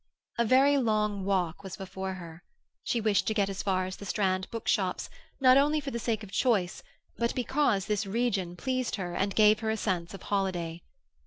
A very long walk was before her. She wished to get as far as the Strand bookshops, not only for the sake of choice, but because this region pleased her and gave her a sense of holiday.